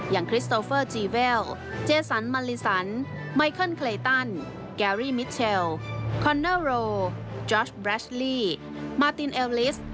คริสโตเฟอร์จีเวลเจสันมาลิสันไมเคิลเคลตันแกรี่มิชเชลคอนเนอร์โรจอชแบรชลี่มาตินเอลลิส